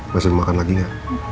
masih mau makan lagi gak